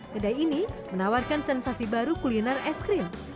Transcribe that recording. kedai ini menawarkan sensasi baru kuliner es krim